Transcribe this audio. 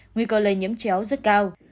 nguy cơ lây nhiễm chéo rất cao